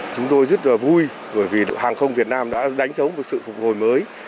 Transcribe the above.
chúng tôi rất vui bởi vì hàng không việt nam đã đánh dấu một sự phục hồi mới